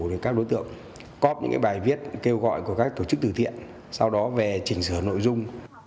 để các đối tượng cóp những bài viết kêu gọi của các tổ chức từ thiện sau đó về chỉnh sửa nội dung